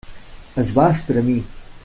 Es va estremir.